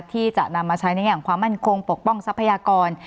ที่จะนำมาใช้ในอย่างความมั่นคงปกป้องทรัพยากร